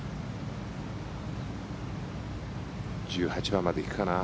１８番まで行くかな